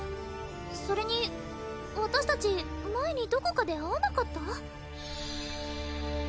それに私達前にどこかで会わなかった？